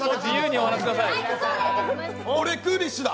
俺、クーリッシュだ。